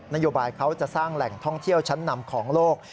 นโยบายเขาจะสร้างแหล่งท่องเที่ยวชั้นนำของโลก